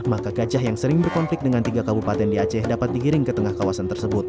maka gajah yang sering berkonflik dengan tiga kabupaten di aceh dapat digiring ke tengah kawasan tersebut